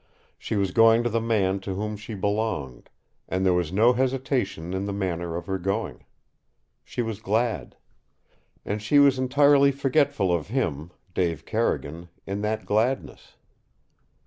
She was going to the man to whom she belonged, and there was no hesitation in the manner of her going. She was glad. And she was entirely forgetful of him, Dave Carrigan, in that gladness.